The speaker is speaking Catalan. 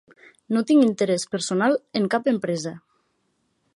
No tinc interès personal en cap empresa.